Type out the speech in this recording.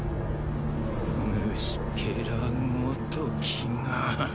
虫けらごときが！